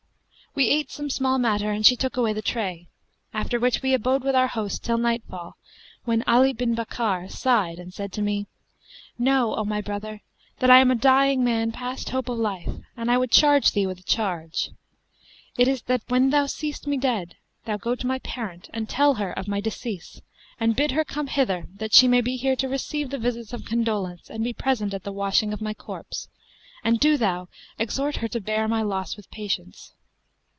We ate some small matter and she took away the tray: after which we abode with our host till nightfall, when Ali bin Bakkar sighed and said to me, 'Know, O my brother, that I am a dying man past hope of life and I would charge thee with a charge: it is that, when thou seest me dead, thou go to my parent[FN#215] and tell her of my decease and bid her come hither that she may be here to receive the visits of condolence and be present at the washing of my corpse, and do thou exhort her to bear my loss with patience.'